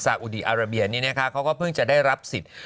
สาอุดีอาราเบียนนะก็พึ่งจะได้รับสิทธิ์